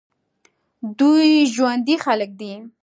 دوی ژوندي خلک دي.